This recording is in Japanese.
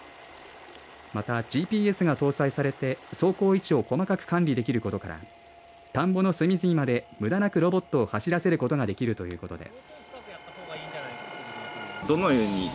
また、ＧＰＳが搭載されて走行位置を細かく管理できることから田んぼの隅々まで無駄なくロボットを走らせることができるということです。